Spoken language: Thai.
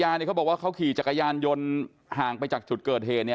เขาบอกว่าเขาขี่จักรยานยนต์ห่างไปจากจุดเกิดเหตุ